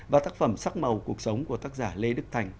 và tác phẩm sắc màu cuộc sống của tác giả lê đức thành